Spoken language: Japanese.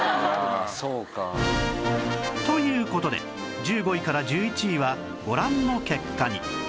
という事で１５位から１１位はご覧の結果に